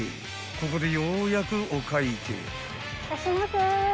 ここでようやくお会計］